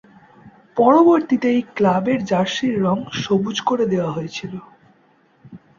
পরবর্তীতে এই ক্লাবের জার্সির রঙ সবুজ করে দেওয়া হয়েছিল।